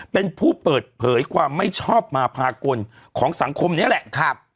เป็นผู้เปิดเผยความไม่ชอบมาพากลของสังคมนี้แหละ